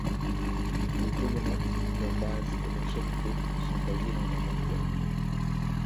Les colonnettes leur bases et leur chapiteaux sont taillés dans un même bloc.